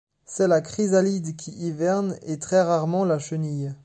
C'est la chrysalide qui hiverne et très rarement la chenille.